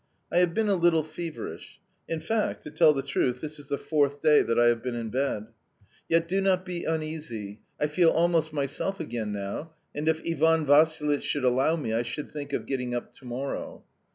I have been a little feverish. In fact, to tell the truth, this is the fourth day that I have been in bed. "Yet do not be uneasy. I feel almost myself again now, and if Ivan Vassilitch should allow me, I think of getting up to morrow.